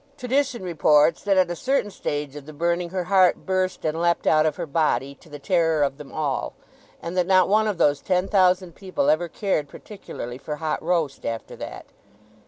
Tradition reports that at a certain stage of the burning her heart burst and leapt out of her body, to the terror of them all, and that not one of those ten thousand people ever cared particularly for hot roast after that.